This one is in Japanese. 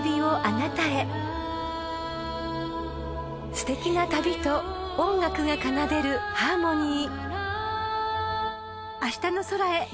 ［すてきな旅と音楽が奏でるハーモニー］